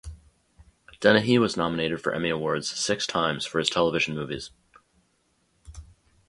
Dennehy was nominated for Emmy Awards six times for his television movies.